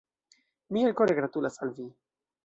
Mi elkore gratulas al vi!